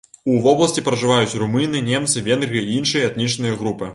У вобласці пражываюць румыны, немцы, венгры і іншыя этнічныя групы.